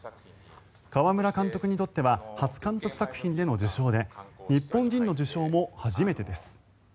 川村監督にとっては初監督作品での受賞で日本人の受賞も初めてです。